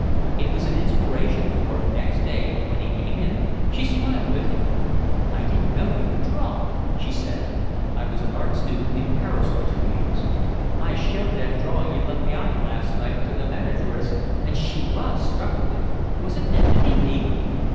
It was an inspiration, for next day, when he came in, she smiled at him. "I didn't know you could draw," she said. "I was an art student in Paris for two years." "I showed that drawing you left be'ind you last night to the manageress and she WAS struck with it. Was it meant to be me?"